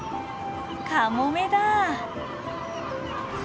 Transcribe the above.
カモメだ。